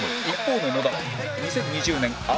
一方の野田は２０２０年